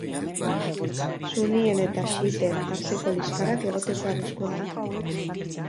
Sunien eta xiiten arteko liskarrak egoteko arriskua dago.